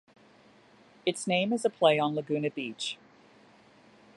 Its name is a play on Laguna Beach.